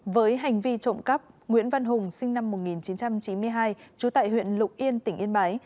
với hành vi trộm cắp nguyễn văn hùng sinh năm một nghìn chín trăm chín mươi hai trú tại huyện lục yên tỉnh yên bái